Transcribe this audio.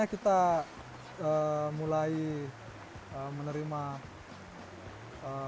kita punya perkembangan dari pihak swasta